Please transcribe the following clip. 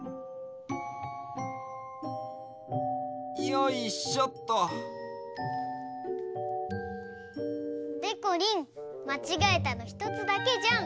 よいしょっと！でこりんまちがえたのひとつだけじゃん。